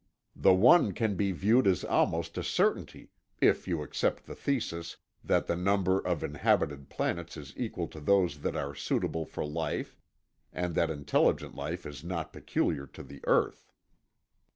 The one can be viewed as almost a certainty (if you accept the thesis that the number of inhabited planets is equal to those that are suitable for life and that intelligent life is not peculiar to the Earth)